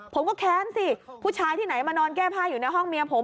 ผมก็แค้นสิผู้ชายที่ไหนมานอนแก้ผ้าอยู่ในห้องเมียผม